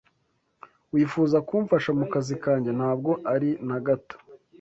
"Wifuza kumfasha mu kazi kanjye?" "Ntabwo ari na gato."